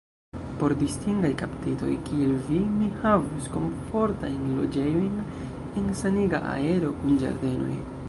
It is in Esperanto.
Por distingaj kaptitoj, kiel vi, mi havus komfortajn loĝejojn en saniga aero, kun ĝardenoj.